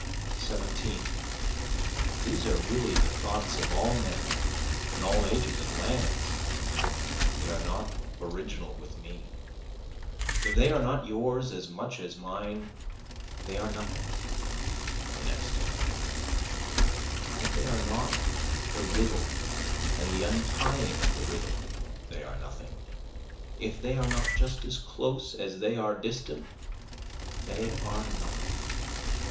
17 These are really the thoughts of all men in all ages and lands, they are not original with me, If they are not yours as much as mine they are nothing, or next to nothing, If they are not the riddle and the untying of the riddle they are nothing, If they are not just as close as they are distant they are nothing.